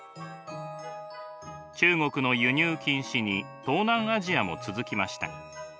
中国の輸入禁止に東南アジアも続きました。